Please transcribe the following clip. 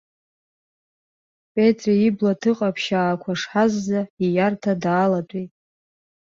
Петре ибла ҭыҟаԥшьаақәа шҳазӡа ииарҭа даалатәеит.